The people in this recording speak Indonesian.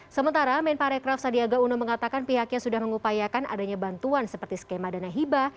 sementara menparekraf sandiaga uno mengatakan pihaknya sudah mengupayakan adanya bantuan seperti skema dana hibah